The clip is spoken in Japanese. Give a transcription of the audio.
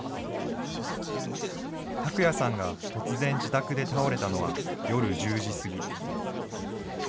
琢弥さんが突然、自宅で倒れたのは、夜１０時過ぎ。